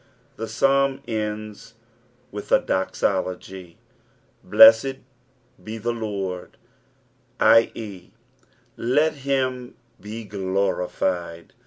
The Psalm ends with a dosologf. "Slewed it the Lord," i.e., let him be glorified.